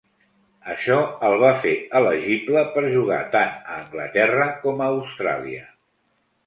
Això el va fer elegible per jugar tant a Anglaterra com a Austràlia.